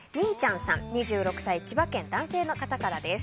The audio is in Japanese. ２６歳、千葉県男性の方からです。